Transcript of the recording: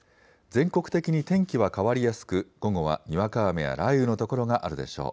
全国的に天気は変わりやすく午後はにわか雨や雷雨の所があるでしょう。